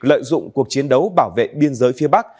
lợi dụng cuộc chiến đấu bảo vệ biên giới phía bắc